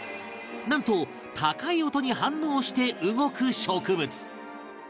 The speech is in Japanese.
なんと高い音に反応して動く植物